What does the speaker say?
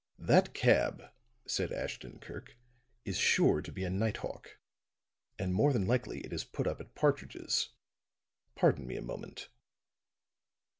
"That cab," said Ashton Kirk, "is sure to be a night hawk; and more than likely it is put up at Partridge's. Pardon me a moment."